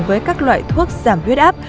với các loại thuốc giảm huyết áp